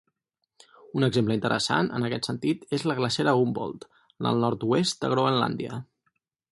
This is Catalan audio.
Un exemple interessant en aquest sentit és la glacera Humboldt, en el nord-oest de Groenlàndia.